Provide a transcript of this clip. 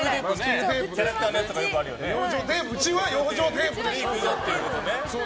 うちは養生テープですから。